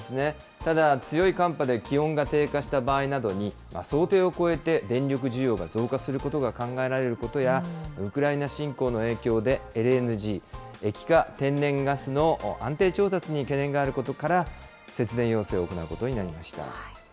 ただ、強い寒波で気温が低下した場合などに、想定を超えて電力需要が増加することが考えられることや、ウクライナ侵攻の影響で、ＬＮＧ・液化天然ガスの安定調達に懸念があることから、節電要請を行うことになりました。